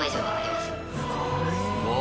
すごーい。